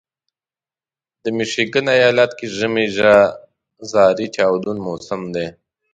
د میشیګن ایالت کې ژمی زارې چاودون موسم دی.